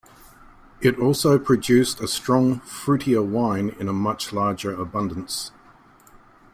It also produced a strong, fruitier wine in a much larger abundance.